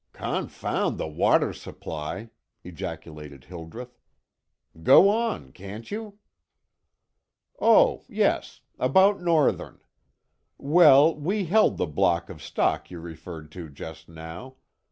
"Confound the water supply!" ejaculated Hildreth. "Go on, can't you?" "Oh, yes; about Northern. Well, we held the block of stock you referred to just now.